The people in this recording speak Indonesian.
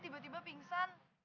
mas mas bebek aja